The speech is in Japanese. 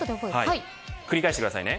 繰り返してくださいね。